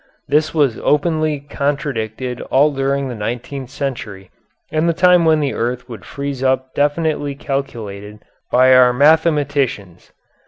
This was openly contradicted all during the nineteenth century and the time when the earth would freeze up definitely calculated by our mathematicians.